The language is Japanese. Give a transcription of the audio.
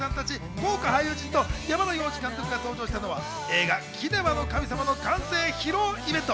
豪華俳優陣と山田洋次監督が登場したのは映画『キネマの神様』の完成披露イベント。